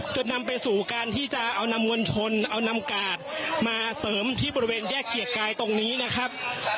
จนนำไปสู่การที่จะเอานำมวลชนเอานำกาดมาเสริมที่บริเวณแยกเกียรติกายตรงนี้นะครับ